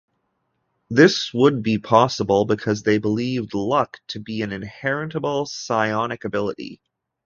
This would be possible because they believed luck to be an inheritable psionic ability.